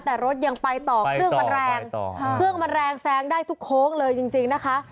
แต่รถยังไปต่อเครื่องมันแรงเครื่องมันแรงแซงได้ทุกโค้งเลยจริงนะคะ